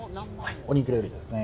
お肉料理ですね。